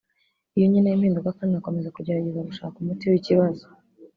Iyo nkeneye impinduka kandi nkakomeza kugerageza gushaka umuti w’ikibazo